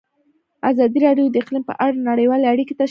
ازادي راډیو د اقلیم په اړه نړیوالې اړیکې تشریح کړي.